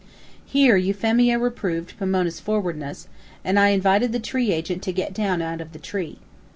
Here Euphemia reproved Pomona's forwardness, and I invited the tree agent to get down out of the tree.